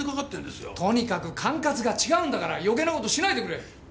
とにかく管轄が違うんだから余計な事しないでくれ！